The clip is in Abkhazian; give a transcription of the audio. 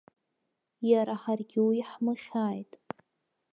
Иара ҳаргьы уи ҳмыхьааит.